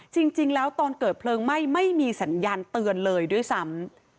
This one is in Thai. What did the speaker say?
จริงแล้วตอนเกิดเพลิงไหม้ไม่มีสัญญาณเตือนเลยด้วยซ้ำ